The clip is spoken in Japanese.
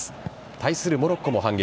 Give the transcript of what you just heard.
対するモロッコも反撃。